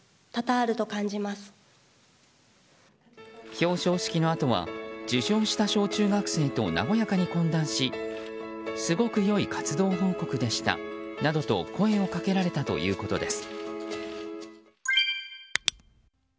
表彰式のあとは、受賞した小中学生と和やかに懇談しすごく良い活動報告でしたなどと声をかけられたということです。